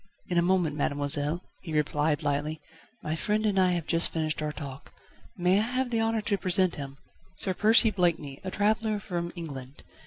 "In a moment, mademoiselle," he replied lightly, "my friend and I have just finished our talk. May I have the honour to present him? Sir Percy Blakeney, a traveller from England.